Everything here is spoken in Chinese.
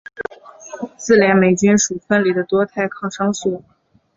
自链霉菌属分离的多肽抗生素。